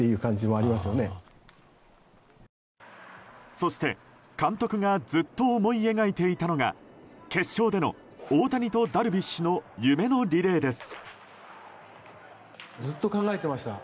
そして監督がずっと思い描いていたのが決勝での大谷とダルビッシュの夢のリレーです。